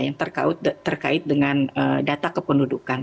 yang terkait dengan data kependudukan